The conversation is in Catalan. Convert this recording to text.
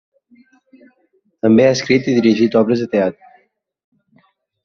També ha escrit i dirigit obres de teatre.